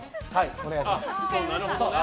お願いします。